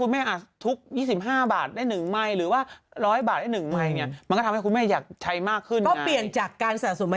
ไม่ได้หยุดแต่ว่าบินน้อยลง